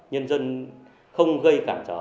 nhân dân không gây cản trở